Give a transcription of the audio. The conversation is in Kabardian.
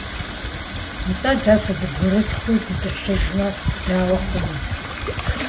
НтӀэ, дэ фызэбгрытхыу дытӀысыжмэ, дауэ хъуну?